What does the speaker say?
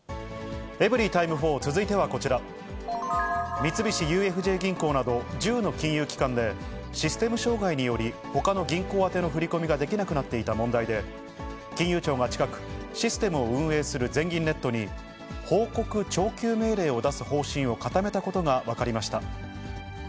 三菱ＵＦＪ銀行など、１０の金融機関でシステム障害により、ほかの銀行宛ての振り込みができなくなっていた問題で、金融庁が近く、システムを運営する全銀ネットに報告徴求命令を出す方針を固めたことが分かりました。